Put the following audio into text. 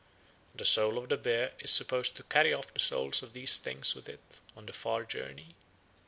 The soul of the bear is supposed to carry off the souls of these things with it on the far journey.